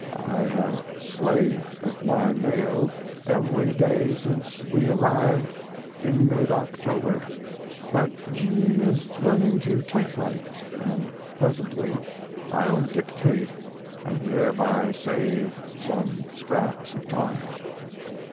I have slaved at my mail every day since we arrived in mid October, but Jean is learning to typewrite & presently I'll dictate & thereby save some scraps of time.